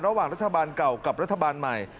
ระหว่างรัฐบาลเก่ากับรัฐบาลใหม่